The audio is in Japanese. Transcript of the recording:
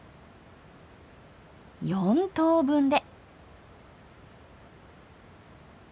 ４等分で！